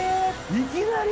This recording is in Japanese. いきなり？